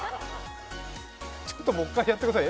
ちょっともう一回、やってください。